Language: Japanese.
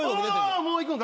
もういくんか？